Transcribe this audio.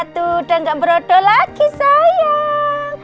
tuh udah gak berodoh lagi sayang